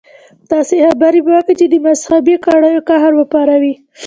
خو داسې خبرې به وکي چې د مذهبي کړيو قهر وپاروي.